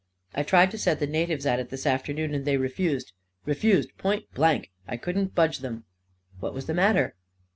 I tried to set the natives at it this afternoon, and they refused. Refused point blank. I couldn't budge them." " What was the matter?